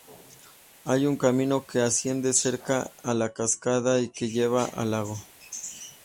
Hay un camino que asciende cerca a la cascada y que lleva al lago.